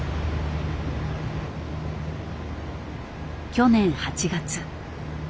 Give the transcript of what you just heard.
去年８月。